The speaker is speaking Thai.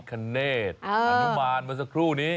คเนธอนุมานเมื่อสักครู่นี้